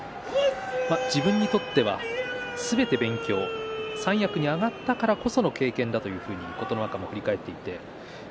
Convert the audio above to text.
自分にとってはすべて勉強三役に上がったからこその経験だということ琴ノ若、振り返っていました。